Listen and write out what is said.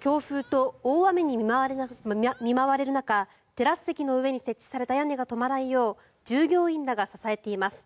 強風と大雨に見舞われる中テラス席の上に設置された屋根が飛ばないよう従業員らが支えています。